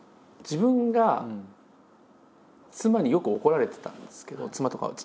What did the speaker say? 自分が妻によく怒られてたんですけど妻とか。